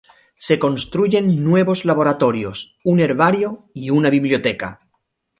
Se construyen nuevos laboratorios, un herbario y una biblioteca.